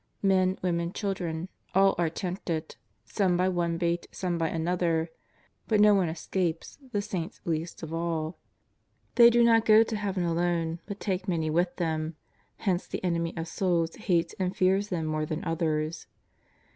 Men, women, children, all are tempted, some by one bait, some by another, but no one escapes, the Saints least of all. They do not go to Heaven alone, but take many with them, hence the enemy of souls hates and fears them more than others.